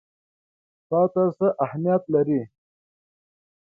تا ته څه اهمیت لري؟